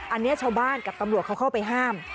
อันนี้ชาวบ้านกับตำรวจเขาเข้าไปห้าม